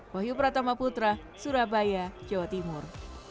wahyu pratama putra surabaya jawa timur